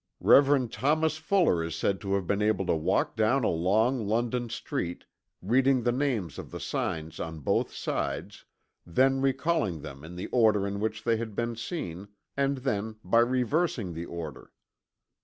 Rev. Thomas Fuller is said to have been able to walk down a long London street, reading the names of the signs on both sides; then recalling them in the order in which they had been seen, and then by reversing the order.